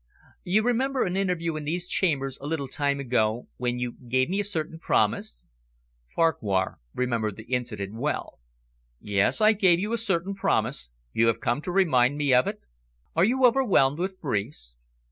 "You remember an interview in these chambers a little time ago, when you gave me a certain promise?" Farquhar remembered the incident well. "Yes, I gave you a certain promise. You have come to remind me of it?" "Are you overwhelmed with briefs?"